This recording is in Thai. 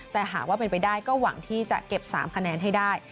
แต่หากว่าเป็นไปได้ก็หวังที่จะเก็บ๓คะแนนให้ได้